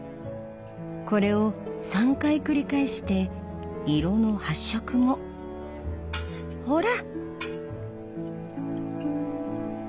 これを３回繰り返して色の発色もほら！